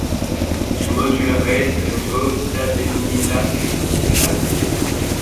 Il modulerait le niveau d'adénylate cyclase.